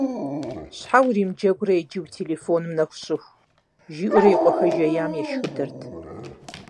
– Щхьэ уримыджэгурэ иджы уи телефоным нэху щыху?! – жиӏэурэ и къуэ хэжеям ешхыдэрт.